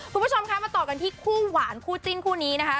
คุณผู้ชมคะมาต่อกันที่คู่หวานคู่จิ้นคู่นี้นะคะ